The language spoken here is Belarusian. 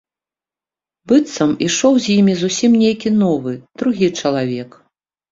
Быццам ішоў з імі зусім нейкі новы, другі чалавек.